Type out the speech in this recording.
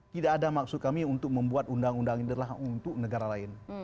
tidak ada maksud kami untuk membuat undang undang ini adalah untuk negara lain